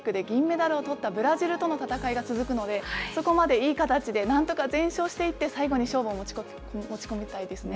そして、東京オリンピックで銀メダルを取ったブラジルとの戦いが続くのでそこまでいい形で、何とか全勝していって、最後に勝負を持ち込みたいですね。